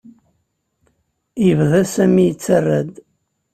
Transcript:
Yebda Sami yettarra-d.